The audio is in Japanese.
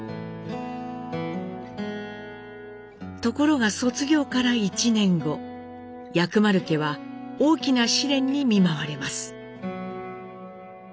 ところが卒業から１年後薬丸家は大きな試練に見舞われます。